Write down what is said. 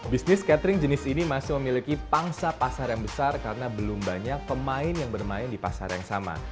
bisnis catering jenis ini masih memiliki pangsa pasar yang besar karena belum banyak pemain yang bermain di pasar yang sama